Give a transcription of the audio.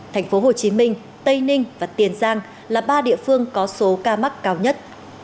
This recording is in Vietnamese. thành phố hồ chí minh tây ninh và tiền giang là ba địa phương có số ca mắc cao nhất